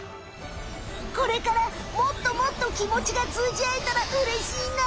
これからもっともっときもちがつうじあえたらうれしいな！